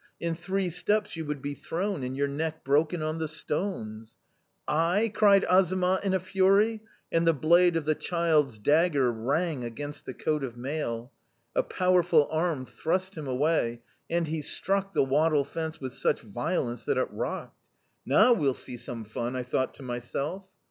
In three steps you would be thrown and your neck broken on the stones!' "'I?' cried Azamat in a fury, and the blade of the child's dagger rang against the coat of mail. A powerful arm thrust him away, and he struck the wattle fence with such violence that it rocked. "'Now we'll see some fun!' I thought to myself.